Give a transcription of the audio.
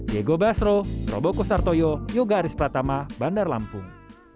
diego basro robo kusar toyo yoga aris pratama bandar lampung